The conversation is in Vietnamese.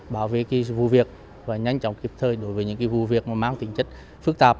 bảo vệ vụ việc và nhanh chóng kịp thời đối với những vụ việc mang tính chất phức tạp